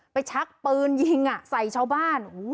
ชักปืนยิงใส่ชาวบ้าน